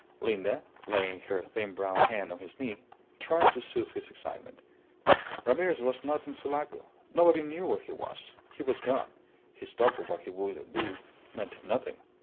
Linda, laying her thin brown hand on his knee, tried to soothe his excitement. Ramirez was not in Sulaco. Nobody knew where he was. He was gone. His talk of what he would do meant nothing.